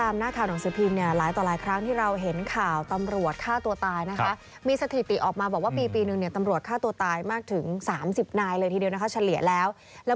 มีสถิติออกมาบอกว่าปีหนึ่งเนี่ยตำรวจฆ่าตัวตายมากถึง๓๐นายเลยทีเดียวนะคะเฉลี่ยแล้วแล้ว